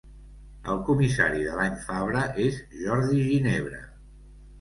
El Comissari de l'Any Fabra és Jordi Ginebra.